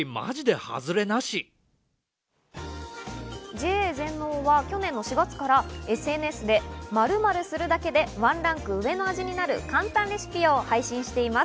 ＪＡ全農は去年の４月からＳＮＳで○○するだけでワンランク上の味になる簡単レシピを配信しています。